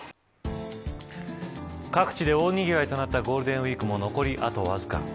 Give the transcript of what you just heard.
各地で大にぎわいとなったゴールデンウイークも残りあとわずか。